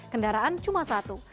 kendaraan cuma satu